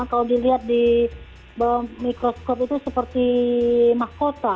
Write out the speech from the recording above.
kalau dilihat di bawah mikroskop itu seperti mahkota